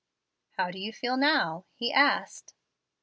"How do you feel now?" he asked.